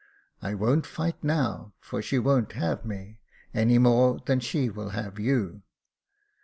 I won't fight now, for she won't have me — any more than she will you.